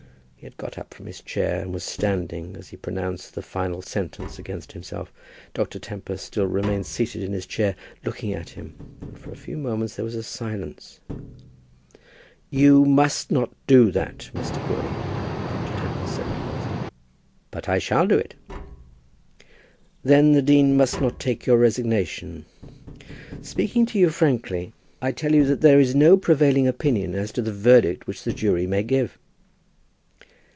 He had got up from his chair, and was standing as he pronounced the final sentence against himself. Dr. Tempest still remained seated in his chair, looking at him, and for a few moments there was silence. "You must not do that, Mr. Crawley," Dr. Tempest said at last. "But I shall do it." "Then the dean must not take your resignation. Speaking to you frankly, I tell you that there is no prevailing opinion as to the verdict which the jury may give."